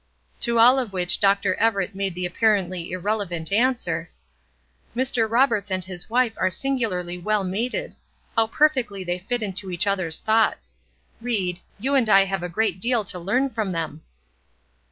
To all of which Dr. Everett made the apparently irrelevant answer: "Mr. Roberts and his wife are singularly well mated; how perfectly they fit into each other's thoughts. Ried, you and I have a great deal to learn from them."